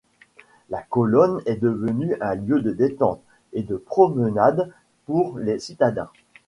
La commune est devenue un lieu de détente, et de promenades pour les citadins.